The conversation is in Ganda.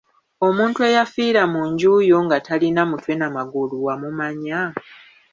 Omuntu eyafiira mu nju yo nga talina mutwe na magulu wamumanya?